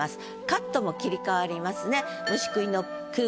カットも切り替わりますね。